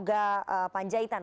brigjen polisi toga panjaitan